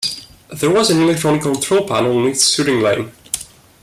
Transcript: There was an electronic control panel on each shooting lane.